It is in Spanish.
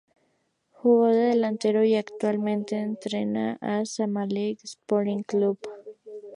Jugó de delantero y actualmente entrena al Zamalek Sporting Club.